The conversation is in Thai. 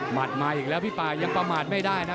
มาอีกแล้วพี่ป่ายังประมาทไม่ได้นะ